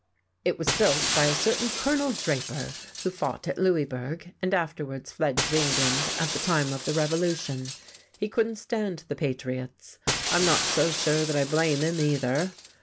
"It was built by a certain Colonel Draper, who fought at Louisburg, and afterwards fled to England at the time of the Revolution. He couldn't stand the patriots, I'm not so sure that I blame him, either.